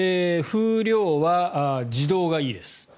風量は自動がいいです。